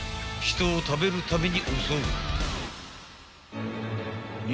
人を食べるために襲う］